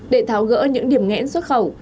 để tháo gỡ những điểm nghẽn xuất khẩu